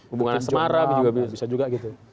hubungan semarang juga bisa juga gitu